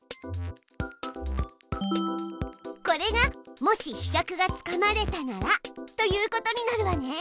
これが「もしひしゃくがつかまれたなら」ということになるわね。